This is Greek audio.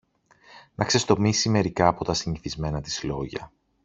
να ξεστομίσει μερικά από τα συνηθισμένα της λόγια.